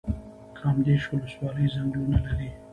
کامدیش ولسوالۍ ځنګلونه لري؟